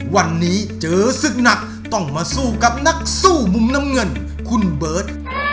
วันนี้เจอศึกหนักต้องมาสู้กับนักสู้มุมน้ำเงินคุณเบิร์ต